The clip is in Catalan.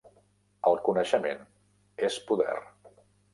El coneixement és poder